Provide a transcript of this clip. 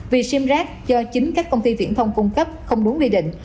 vì sim rác do chính các công ty viễn thông cung cấp không đúng quy định